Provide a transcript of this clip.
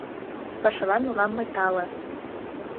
Пашалан улам мый тале